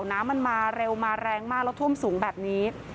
น้ำมันมาเร็วมาแรงมากแล้วท่วมสูงแบบนี้